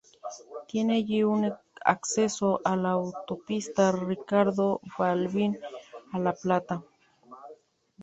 Tiene allí un acceso a la Autopista Ricardo Balbín, a La Plata.